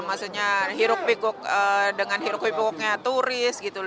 maksudnya hiruk hiruknya turis gitu